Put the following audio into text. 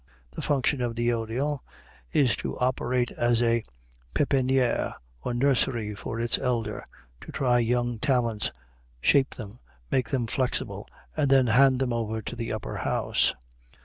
The function of the Odéon is to operate as a pépinière or nursery for its elder to try young talents, shape them, make them flexible and then hand them over to the upper house.